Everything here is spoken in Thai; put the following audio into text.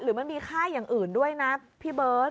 มันมีค่าอย่างอื่นด้วยนะพี่เบิร์ต